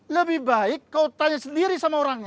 lebih baik kau tanya sendiri sama orangnya